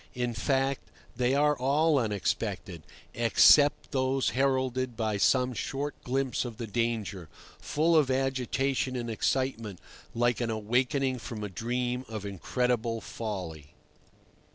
In fact, they are all unexpected, except those heralded by some short glimpse of the danger, full of agitation and excitement, like an awakening from a dream of incredible folly.